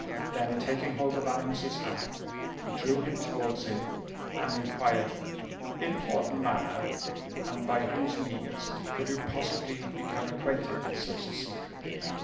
Then, taking hold of Aramis's hand, he drew him towards him, and inquired: "In what manner and by whose means could you possibly become acquainted with such a secret?"